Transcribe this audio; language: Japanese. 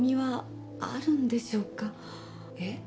えっ？